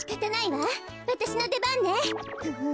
わたしのでばんね。